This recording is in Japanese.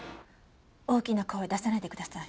大きな声出さないでください。